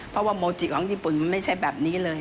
เพราะว่าโมจิของญี่ปุ่นมันไม่ใช่แบบนี้เลย